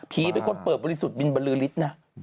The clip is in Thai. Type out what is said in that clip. เป็นคนเปิดบริสุทธิ์บินบรือฤทธิ์นะ